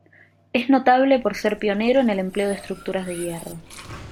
Es notable por ser pionero en el empleo de estructuras de hierro.